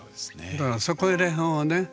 だからそこいら辺をね